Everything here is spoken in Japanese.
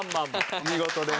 お見事です。